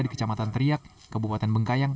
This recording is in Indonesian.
di kecamatan teriak kabupaten bengkayang